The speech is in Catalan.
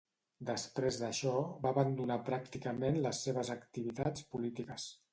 Després d'això va abandonar pràcticament les seves activitats polítiques.